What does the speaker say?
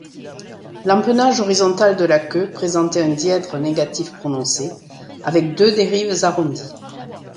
L'empennage horizontal de la queue présentait un dièdre négatif prononcé avec deux dérives arrondies.